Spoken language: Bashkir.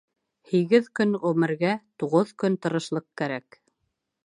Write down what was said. Һигеҙ көн ғүмергә туғыҙ көн тырышлыҡ кәрәк.